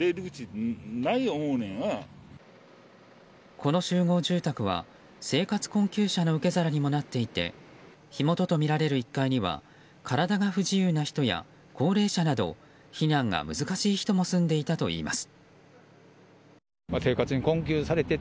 この集合住宅は生活困窮者の受け皿にもなっていて火元とみられる１階には体が不自由な人や高齢者など、避難が難しい人も住んでいたといいます。